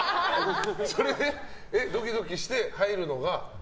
それでドキドキして入るのが。